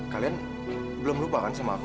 kalian belum lupakan sama aku